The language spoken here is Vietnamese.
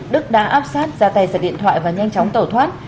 đức đã áp sát ra tay giật điện thoại và nhanh chóng tẩu thoát